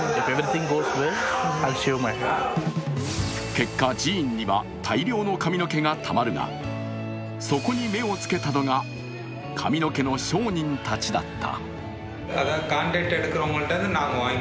結果、寺院には大量の髪の毛がたまるが、そこに目をつけたのが髪の毛の商人たちだった。